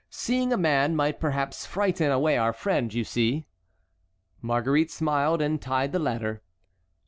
Seeing a man might perhaps frighten away our friend, you see." Marguerite smiled and tied the ladder.